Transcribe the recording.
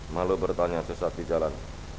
malu bertanya sesuatu jalan